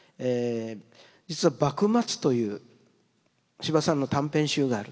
実は「幕末」という司馬さんの短編集がある。